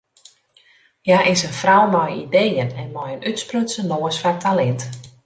Hja is in frou mei ideeën en mei in útsprutsen noas foar talint.